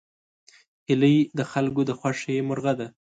هیلۍ د خلکو د خوښې مرغه ده